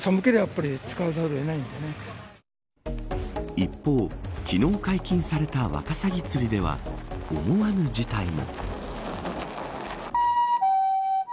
一方、昨日解禁されたワカサギ釣りでは思わぬ事態も。